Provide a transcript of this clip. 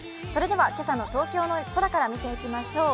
今朝の東京の空から見ていきましょう。